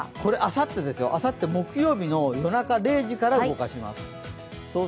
あさって木曜日の夜中０時から動かします。